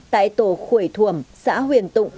tại tổ khuẩy thuẩm xã huyền tụng